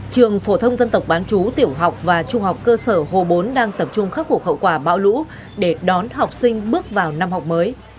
trường phổ thông dân tộc bán chú tiểu học và trung học cơ sở hồ bốn đang tập trung khắc phục hậu quả bão lũ để đón học sinh bước vào năm học mới